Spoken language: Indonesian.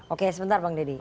oke sebentar bang deddy